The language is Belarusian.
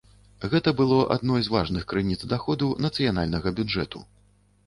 Гэта было адной з важных крыніц даходу нацыянальнага бюджэту.